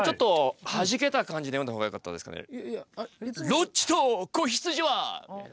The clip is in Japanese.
「ロッチと子羊」は！みたいな。